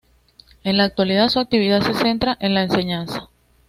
En la actualidad su actividad se centra en la enseñanza.